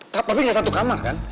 tapi kayak satu kamar kan